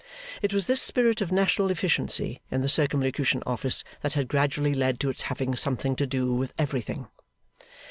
It was this spirit of national efficiency in the Circumlocution Office that had gradually led to its having something to do with everything.